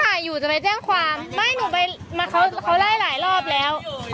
อยู่จะไปแจ้งความไม่หนูไปมาเขาไล่หลายรอบแล้ว